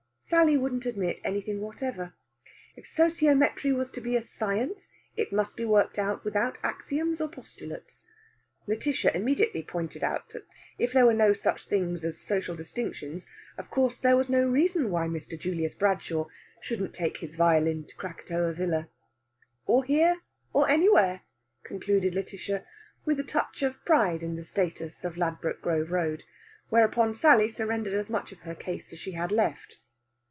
Sally wouldn't admit anything whatever. If sociometry was to be a science, it must be worked out without axioms or postulates. Lætitia immediately pointed out that if there were no such things as social distinctions of course there was no reason why Mr. Julius Bradshaw shouldn't take his violin to Krakatoa Villa. "Or here, or anywhere," concluded Lætitia, with a touch of pride in the status of Ladbroke Grove Road. Whereupon Sally surrendered as much of her case as she had left.